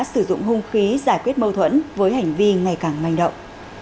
sử dụng hung khí giải quyết mâu thuẫn với hành vi ngày càng manh động